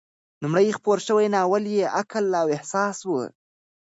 لومړنی خپور شوی ناول یې "عقل او احساس" و.